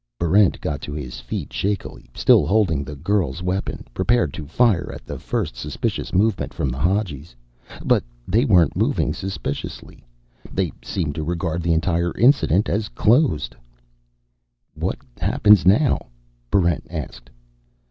Barrent got to his feet shakily, still holding the girl's weapon, prepared to fire at the first suspicious movement from the Hadjis. But they weren't moving suspiciously. They seemed to regard the entire incident as closed. "What happens now?" Barrent asked.